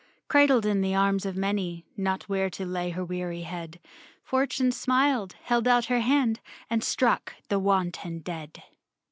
Cradled in the arms of many, Not where to lay her weary head. Fortune smiled — held out her hand And struck the wanton dead.